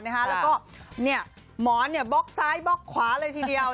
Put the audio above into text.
แล้วก็หมอนบล็อกซ้ายบล็อกขวาเลยทีเดียว